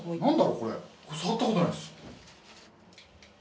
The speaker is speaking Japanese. これ。